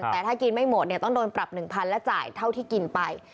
แต่ถ้ากินไม่หมดเนี่ยต้องโดนปรับ๑๐๐๐และจ่ายเท่าที่กินไป